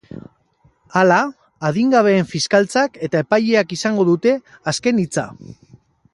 Hala, adingabeen fiskaltzak eta epaileak izango dute azken hitza.